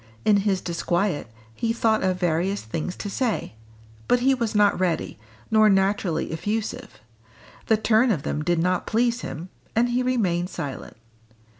In his disquiet, he thought of various things to say; but he was not ready, nor naturally effusive; the turn of them did not please him; and he remained silent.